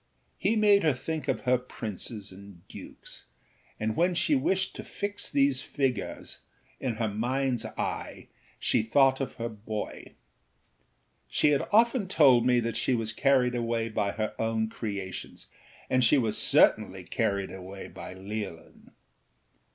He made her think of her princes and dukes, and when she wished to fix these figures in her mindâs eye she thought of her boy. She had often told me she was carried away by her own creations, and she was certainly carried away by Leolin.